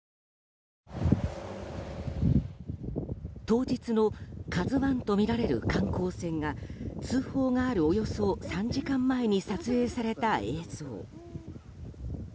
当日の「ＫＡＺＵ１」とみられる観光船が通報があるおよそ３時間前に撮影された映像。